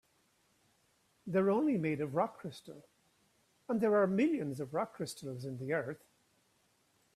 They're only made of rock crystal, and there are millions of rock crystals in the earth.